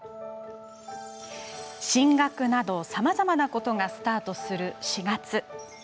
進学などさまざまなことがスタートをする４月。